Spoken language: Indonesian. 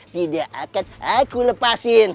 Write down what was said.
pindah akan aku lepasin